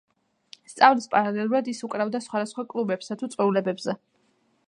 სწავლის პარალელურად ის უკრავდა სხვადასხვა კლუბებსა თუ წვეულებებზე.